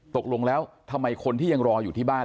ตกลงแล้วทำไมคนที่ยังรออยู่ที่บ้าน